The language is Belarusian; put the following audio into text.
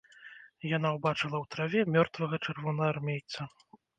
Яна ўбачыла ў траве мёртвага чырвонаармейца.